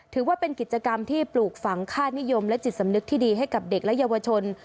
ถือว่าเป็นกิจกรรมที่ปลูกฝังค่านิยมและจิตสำนึกที่ดีให้กับเด็กและเยาวชน